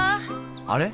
あれ？